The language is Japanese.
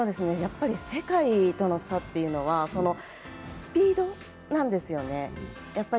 世界との差っていうのはスピードなんですよね。